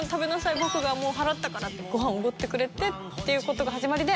僕がもう払ったから」ってごはんをおごってくれてっていう事が始まりで。